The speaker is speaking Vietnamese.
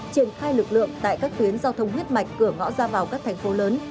triển khai lực lượng tại các tuyến giao thông huyết mạch cửa ngõ ra vào các thành phố lớn